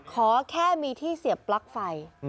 ขอแค่มีที่เสียบปลั๊กไฟ